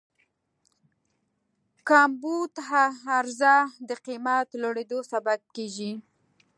کمبود عرضه د قیمت لوړېدو سبب کېږي.